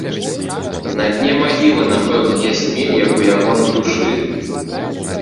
На дне магілы, напэўна, ясней, як у яго на душы.